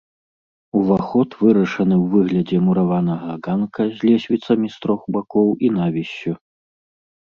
Уваход вырашаны ў выглядзе мураванага ганка з лесвіцамі з трох бакоў і навіссю.